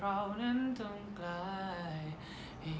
ให้ความคิดถึงฉันกอดกันข้างในใจ